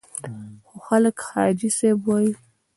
خو خلک حاجي صاحب وایي.